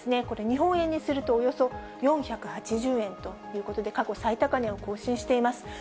これ、日本円にするとおよそ４８０円ということで、過去最高値を更新しています。